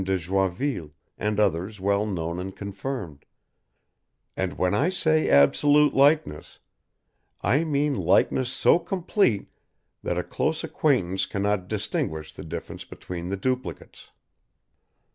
de Joinville and others well known and confirmed, and when I say absolute likeness, I mean likeness so complete that a close acquaintance cannot distinguish the difference between the duplicates.